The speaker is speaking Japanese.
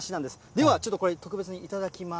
ではちょっとこれ、特別に頂きます。